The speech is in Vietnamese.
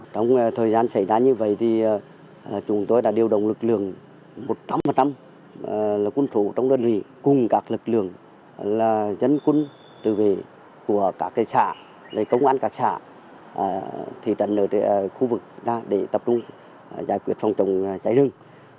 trong thời gian xảy ra như vậy thì chúng tôi đã điều động lực lượng một trăm linh là quân chủ trong đơn vị cùng các lực lượng là dân quân tự vệ của các cây xã công an các xã thì tận nơi khu vực để tập trung giải quyết phong trọng cháy rừng